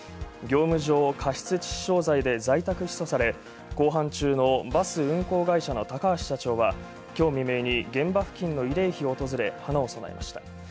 業務上過失致死傷罪で在宅起訴され公判中のバス運行会社高橋社長はきょう未明に、現場付近の慰霊碑を訪れ、花を供えました。